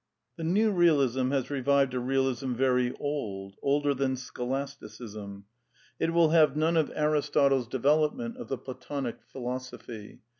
The New Eealism has revived a Eealism very old, older than Scholasticism. It will have none of Aristotle's de THE NEW EEALISM 226 velopment of the Platonic philosophy.